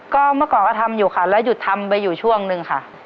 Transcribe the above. ก็เมื่อก่อนก็ทำอยู่ค่ะแล้วหยุดทำไปอยู่ช่วงนึงค่ะ